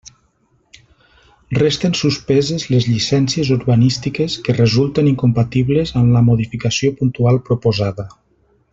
Resten suspeses les llicències urbanístiques que resulten incompatibles amb la modificació puntual proposada.